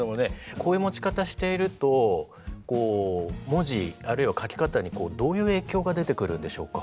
こういう持ち方していると文字あるいは書き方にどういう影響が出てくるんでしょうか？